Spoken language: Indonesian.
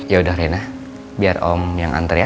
yaudah rina biar om yang antar ya